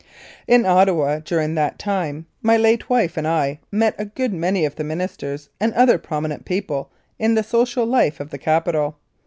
In Ottawa, during that time, my late wife and I met a good many of the Ministers and other prominent people in the social life of the capital.